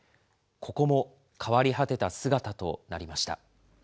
ここも変わり果てた姿となりました。